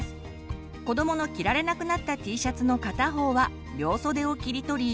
こどもの着られなくなったＴシャツの片方は両袖を切り取り